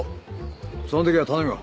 その時は頼むよ。